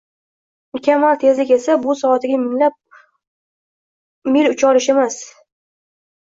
Mukammal tezlik esa — bu soatiga minglab mil ucha olish emas.